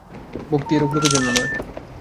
ভক্তি এরূপ লোকের জন্য নয়।